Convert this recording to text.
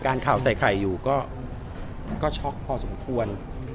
ข่าวใส่ไข่อยู่ก็ช็อกพอสมควร